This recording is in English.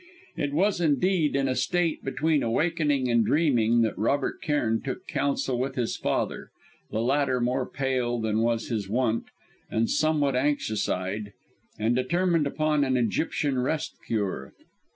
It was indeed in a state between awaking and dreaming that Robert Cairn took counsel with his father the latter more pale than was his wont and somewhat anxious eyed and determined upon an Egyptian rest cure.